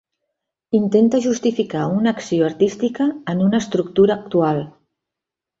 Intenta justificar una acció artística en una estructura actual.